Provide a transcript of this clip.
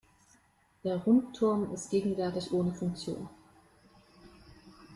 Der Rundturm ist gegenwärtig ohne Funktion.